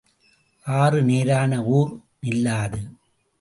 ஆறு நேரான ஊர் நில்லாது.